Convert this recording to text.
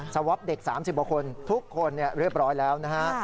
สวอปเด็กสามสิบอักคนทุกคนเรียบร้อยแล้วนะ